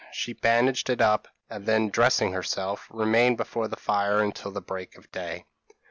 She bandaged it up, and then dressing herself, remained before the fire until the break of day.